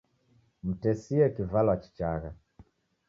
Mtesie kivalwa chichagha.